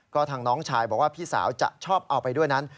ก็ทางน้องชายบอกว่าพี่สาวจะชอบเอาไปด้วยนั้น